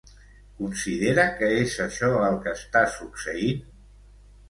Considera que és això el que està succeint?